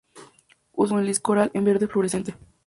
Usualmente con el disco oral en verde fluorescente.